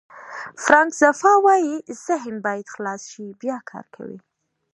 فرانک زفا وایي ذهن باید خلاص شي بیا کار کوي.